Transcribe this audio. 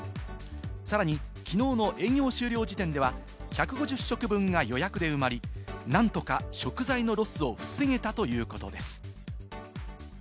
さらにきのうの営業終了時点では、１５０食分が予約で埋まり、なんとか食材のロスを防げたということです。